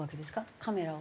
カメラを。